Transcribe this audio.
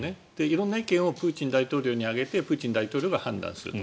色んな意見をプーチン大統領に上げてプーチン大統領が判断する。